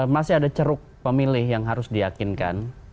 masih ada ceruk pemilih yang harus diyakinkan